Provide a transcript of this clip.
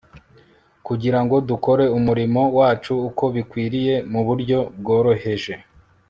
kugira ngo dukore umurimo wacu uko bikwiriye, mu buryo bworoheje